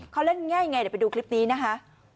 เขาเล่นง่ายยังไงเดี๋ยวไปดูคลิปนี้นะคะ